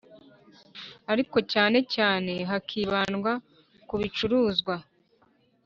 ariko cyane cyane hakibandwa ku bicuruzwa